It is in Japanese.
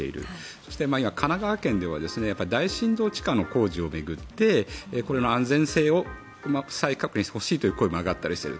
そして今、神奈川県では大深度地下の工事を巡ってこれの安全性を再確認してほしいという声も上がったりしている。